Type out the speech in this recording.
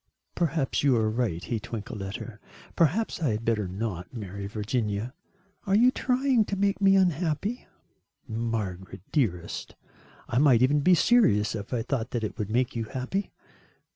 "Perhaps you are right," he twinkled at her, "perhaps I had better not marry Virginia." "Are you trying to make me unhappy?" "Margaret, dearest, I might even be serious if I thought that it would make you happy."